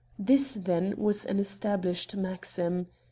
This, then, was an established maxim.